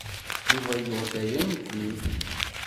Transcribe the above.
Yuba yuɣ-d aya i nekkni.